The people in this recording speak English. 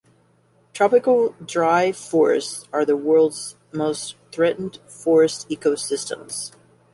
Tropical dry forests are the world's most threatened forest ecosystems.